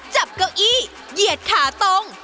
เก้าอี้เหยียดขาตรง